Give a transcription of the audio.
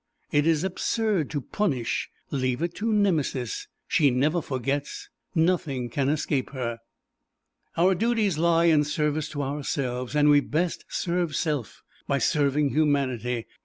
It is absurd to punish leave it to Nemesis she never forgets nothing can escape her. Our duties lie in service to ourselves, and we best serve self by serving humanity.